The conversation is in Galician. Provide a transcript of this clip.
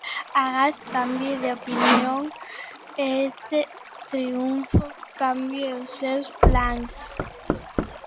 Agás cambie de opinión e este triunfo cambie os seus plans.